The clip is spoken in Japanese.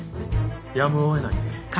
やむを得ないね。